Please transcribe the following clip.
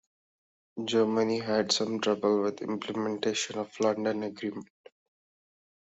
Germany had some trouble with the implementation of the London Agreement.